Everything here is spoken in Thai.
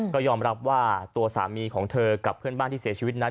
ก็ยอมรับว่าตัวสามีของเธอกับเพื่อนบ้านที่เสียชีวิตนั้น